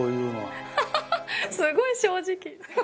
すごい正直。